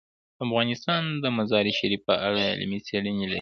افغانستان د مزارشریف په اړه علمي څېړنې لري.